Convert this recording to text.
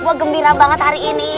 gue gembira banget hari ini